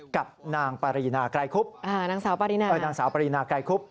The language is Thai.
กับนางสาวปารีนาไกรคุบ